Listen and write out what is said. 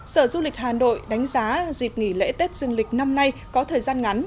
sở du lịch hà nội đánh giá dịp nghỉ lễ tết dương lịch năm nay có thời gian ngắn